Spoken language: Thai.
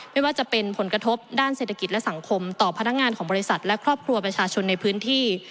ไม่ว่าจะเป็นผลกระทบด้านเศรษฐกิจและสังคมต่อพนักงานของบริษัทและครอบครัวประชาชนในพื้นที่